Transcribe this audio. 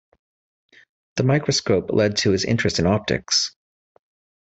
The microscope led to his interest in optics.